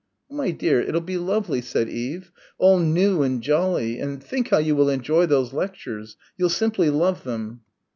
"Oh, my dear, it'll be lovely," said Eve; "all new and jolly, and think how you will enjoy those lectures, you'll simply love them."